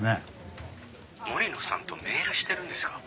「森野さんとメールしてるんですか？」